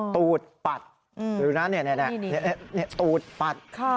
ตูดปัดดูนะตูดปัด